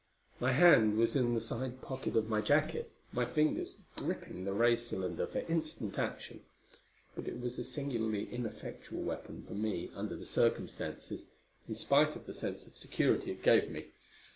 My hand was in the side pocket of my jacket, my fingers gripping the ray cylinder for instant action. But it was a singularly ineffectual weapon for me under the circumstances, in spite of the sense of security it gave me.